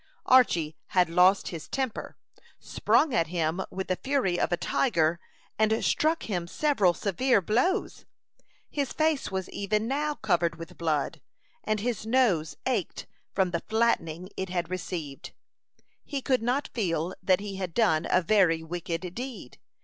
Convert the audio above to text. Archy had lost his temper, sprung at him with the fury of a tiger, and struck him several severe blows. His face was even now covered with blood, and his nose ached from the flattening it had received. He could not feel that he had done a very wicked deed.